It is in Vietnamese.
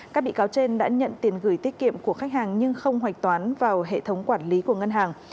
các bị cáo trên đã nhận tiền gửi tiết kiệm của khách hàng nhưng không hạch toán vào hệ thống quản lý của ngân hàng